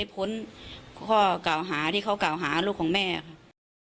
พ่อเก่าหาที่เขาเก่าหาลูกของแม่ค่ะ